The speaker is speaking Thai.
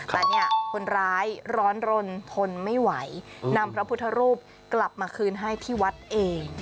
แต่เนี่ยคนร้ายร้อนรนทนไม่ไหวนำพระพุทธรูปกลับมาคืนให้ที่วัดเอง